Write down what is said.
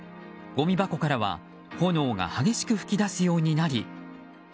ごみ箱からは炎が激しく噴き出すようになり